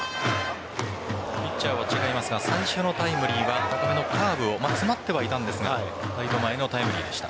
ピッチャーは違いますが最初のタイムリーは高めのカーブを詰まってはいたんですがタイムリーでした。